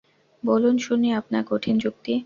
বলুন, শুনি আপনার কঠিন যুক্তি।